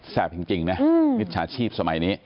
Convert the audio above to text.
แซ่บจริงนะมิตรชาติชีพสมัยนี้